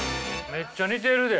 めっちゃ似てる。